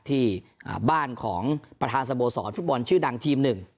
ที่บ้านของประธานสโมสรฟุตบอลชื่อดังทีมหนึ่ง